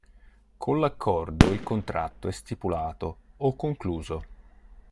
Con l'accordo il contratto è "stipulato" o "concluso".